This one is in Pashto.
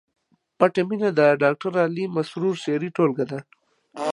پټه مینه د ډاکټر علي مسرور شعري ټولګه ده